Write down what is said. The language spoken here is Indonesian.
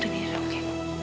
yuk beri diri aku nona